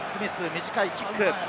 短いキック。